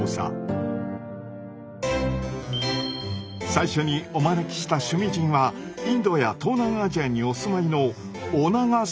最初にお招きした趣味人はインドや東南アジアにお住まいのオナガサイホウチョウ先生。